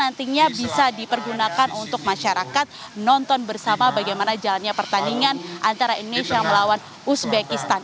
nantinya bisa dipergunakan untuk masyarakat nonton bersama bagaimana jalannya pertandingan antara indonesia melawan uzbekistan